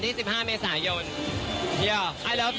ที่สนชนะสงครามเปิดเพิ่ม